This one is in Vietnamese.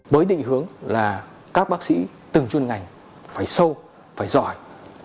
với định hướng là các bác sĩ từng chuyên ngành phải sâu phải giỏi